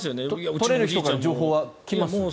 取れる人は情報は来ます？